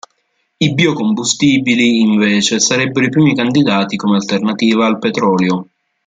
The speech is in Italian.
I bio-combustibili invece sarebbero i primi candidati come alternativa al petrolio.